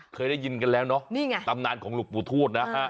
เคยได้ยินกันแล้วเนอะนี่ไงตำนานของหลวงปู่ทูตนะฮะ